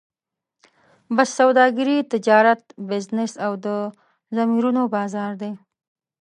بس سوداګري، تجارت، بزنس او د ضمیرونو بازار دی.